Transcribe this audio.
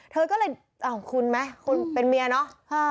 เธอก็เลยอ้าวคุณไหมเป็นเมียใช่ไหมค่ะ